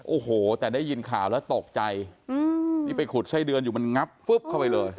โอ้โหแต่ได้ยินข่าวแล้วตกใจนี่ไปขุดไส้เดือนอยู่มันงับฟึ๊บเข้าไปเลย